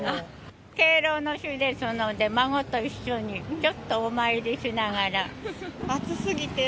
敬老の日ですので、孫と一緒にちょっとお参りしながら。